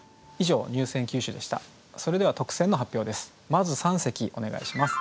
まず三席お願いします。